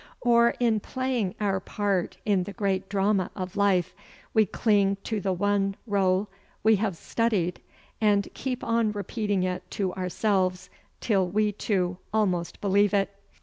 Or, in playing our part in the great drama of life, we cling to the one role we have studied and keep on repeating it to ourselves until we, too, almost believe it.